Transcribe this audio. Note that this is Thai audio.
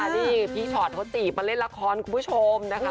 นี่พี่ชอตเขาจีบมาเล่นละครคุณผู้ชมนะคะ